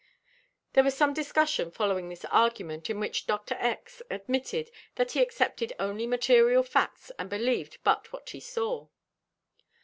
There was some discussion following this argument in which Dr. X. admitted that he accepted only material facts and believed but what he saw.